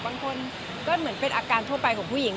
บางคนก็เหมือนเป็นอาการทั่วไปของผู้หญิง